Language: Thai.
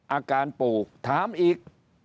อาการปู่ถามอีก